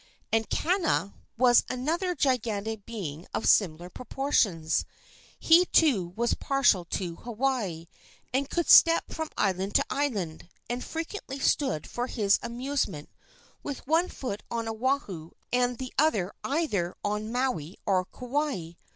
And Kana was another gigantic being of similar proportions. He, too, was partial to Hawaii, and could step from island to island, and frequently stood for his amusement with one foot on Oahu and the other either on Maui or Kauai.